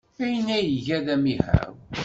Ayen ay iga d amihaw.